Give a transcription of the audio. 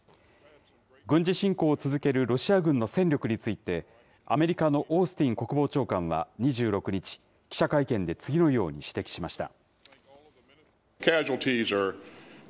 軍事侵攻を続けるロシア軍の戦力について、アメリカのオースティン国防長官は２６日、記者会見で次のように指摘しました。